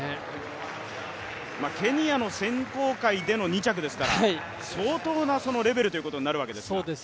ケニアの選考会での２着ですから、相当なレベルになるわけですが。